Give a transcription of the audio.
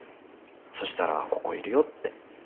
そしたらここいるよって。